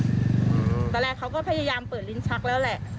ตอนแรกเขาก็พยายามเปิดลิ้นชักแล้วแหละ